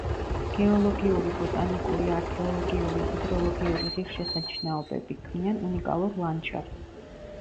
გეოლოგიური, ბოტანიკური, არქეოლოგიური, ჰიდროლოგიური ღირსშესანიშნაობები, ქმნიან უნიკალურ ლანდშაფტს.